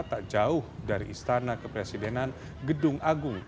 tak jauh dari istana kepresidenan gedung agung